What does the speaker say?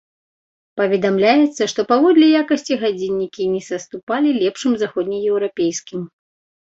Паведамляецца, што паводле якасці гадзіннікі не саступалі лепшым заходнееўрапейскім.